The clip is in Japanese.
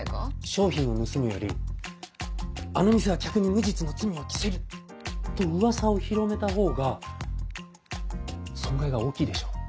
商品を盗むより「あの店は客に無実の罪を着せる」と噂を広めたほうが損害が大きいでしょう。